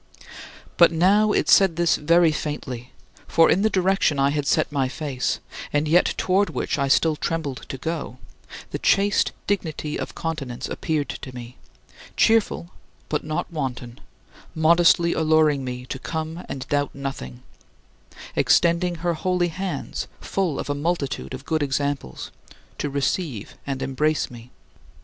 27. But now it said this very faintly; for in the direction I had set my face, and yet toward which I still trembled to go, the chaste dignity of continence appeared to me cheerful but not wanton, modestly alluring me to come and doubt nothing, extending her holy hands, full of a multitude of good examples to receive and embrace me.